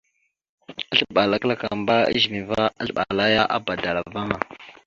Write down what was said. Azləɓal a klakamba a ezine va, azləɓal aya a badala vaŋa.